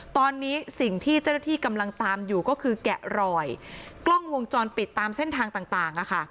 ตอนนี้สิ่งที่เจ้าหน้าที่กำลังตามอยู่ก็คือแกะรอยกล้องวงจรปิดตามเส้นทางต่าง